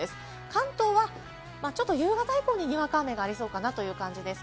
関東は夕方以降、にわか雨がありそうかなという感じです。